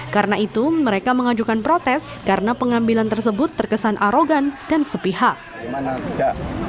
karena itu mereka mengajukan protes karena pengambilan tersebut terkesan arogan dan sepihak